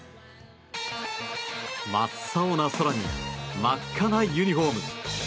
真っ青な空に真っ赤なユニホーム。